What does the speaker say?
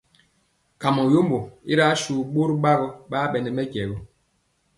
Kamɔ yombo i ri asu ɓorɔ ɓaa ɓɛ nɛ mɛjɛ gɔ.